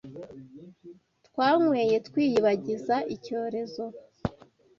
Twanyweye twiyibagiza icyorezo